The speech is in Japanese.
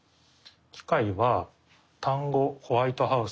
機械は単語「ホワイトハウス」